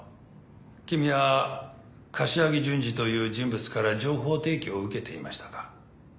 君は柏木淳二という人物から情報提供を受けていましたか？